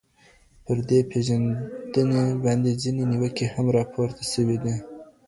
پر دې پېژندني باندي ځيني نيوکي هم راپورته سوي دي.